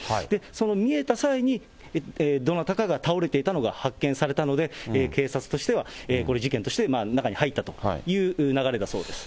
その見えた際に、どなたかが倒れていたのが発見されたので、警察としては、これ、事件として中に入ったという流れだそうです。